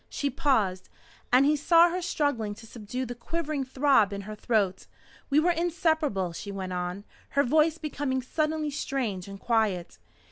She paused, and he saw her struggling to subdue the quivering throb in her throat. "We were inseparable," she went on, her voice becoming suddenly strange and quiet.